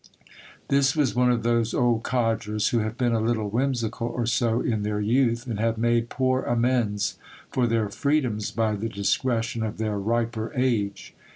This was one of those old codgers who have been a little whimsical or so in their youth, and have made poor amends for their freedoms by the discretion of their riper age.